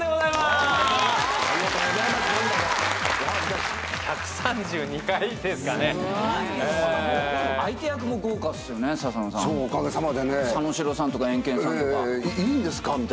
「いいんですか？」